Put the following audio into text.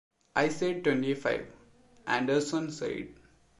"I said twenty-five," Anderson said.